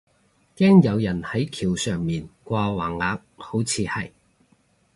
驚有人係橋上面掛橫額，好似係